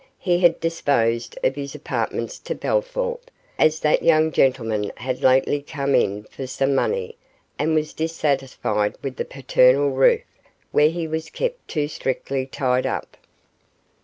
He had disposed of his apartments to Bellthorp, as that young gentleman had lately come in for some money and was dissatisfied with the paternal roof, where he was kept too strictly tied up.